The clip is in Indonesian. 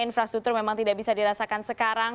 infrastruktur memang tidak bisa dirasakan sekarang